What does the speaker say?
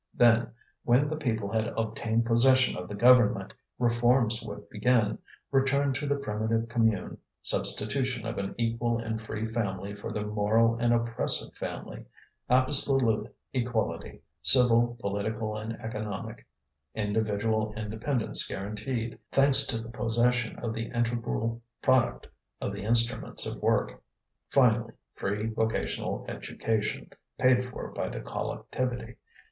Then, when the people had obtained possession of the government, reforms would begin: return to the primitive commune, substitution of an equal and free family for the moral and oppressive family; absolute equality, civil, political, and economic; individual independence guaranteed, thanks to the possession of the integral product of the instruments of work; finally, free vocational education, paid for by the collectivity.